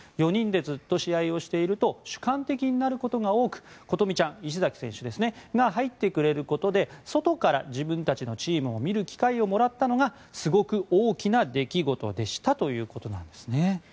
４人でずっと試合をしていると主観的になることが多く琴美ちゃん、石崎選手が入ってくれることで外から自分たちのチームを見る機会をもらったのがすごく大きな出来事でしたということなんですね。